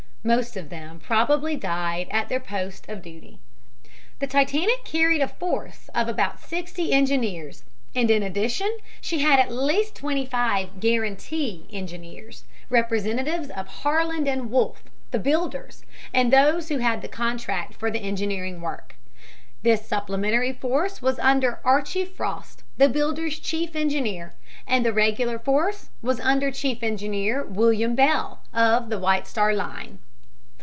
Most of them probably died at their post of duty. The Titanic carried a force of about sixty engineers, and in addition she had at least twenty five "guarantee" engineers, representatives of Harland and Wolff, the builders, and those who had the contract for the engineering work. This supplementary force was under Archie Frost, the builders' chief engineer, and the regular force was under Chief Engineer William Bell, of the White Star Line.